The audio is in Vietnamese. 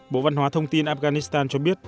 bộ văn hóa thông tin afghanistan cho biết